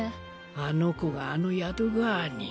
あの子があの宿ぐわぁに。